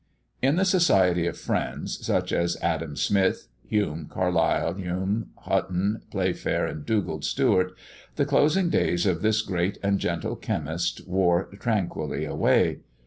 In the society of friends such as Adam Smith, Hume, Carlyle, Home, Hutton, Playfair, and Dugald Stewart, the closing days of this great and gentle chemist wore tranquilly away.